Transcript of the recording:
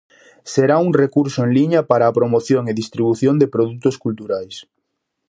Será un recurso en liña para a promoción e distribución de produtos culturais.